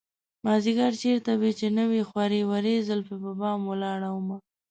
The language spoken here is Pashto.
مازديگر چېرته وې چې نه وې خورې ورې زلفې په بام ولاړه ومه